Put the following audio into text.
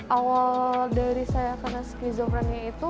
awal dari saya kena skizoprenia itu